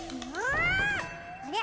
あれ？